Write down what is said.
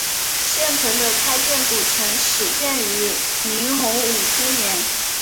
现存的开建古城始建于明洪武初年。